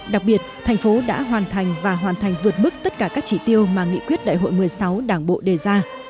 đặc biệt thành phố đã hoàn thành và hoàn thành vượt mức tất cả các chỉ tiêu mà nghị quyết đại hội một mươi sáu đảng bộ đề ra